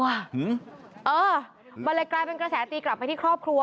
เออมันเลยกลายเป็นกระแสตีกลับไปที่ครอบครัว